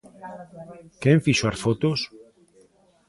Quen fixo as fotos?